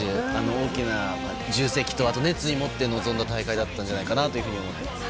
大きな重責と熱意を持って臨んだ大会だったんじゃないかと思います。